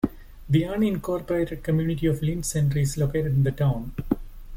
The unincorporated community of Lind Center is located in the town.